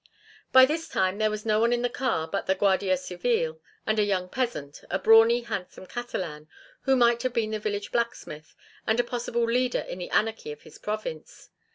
By this time there was no one in the car but the Guardia Civile and a young peasant, a brawny, handsome Catalan, who might have been the village blacksmith and a possible leader in the anarchy of his province.